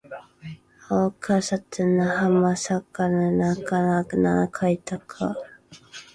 あおかさたなはさかえなかきあなかいたかあ